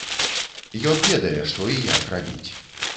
Ён ведае, што і як рабіць.